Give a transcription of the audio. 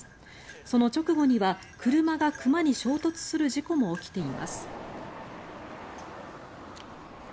その直後には車が熊に衝突する事故も起きています。